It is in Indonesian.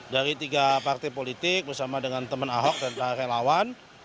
dari tiga partai politik bersama dengan teman ahok dan relawan